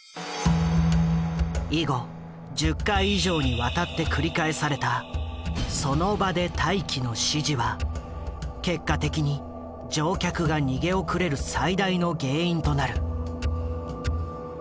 以後１０回以上にわたって繰り返された「その場で待機」の指示は結果的に乗客が逃げ遅れる最大の原因となる。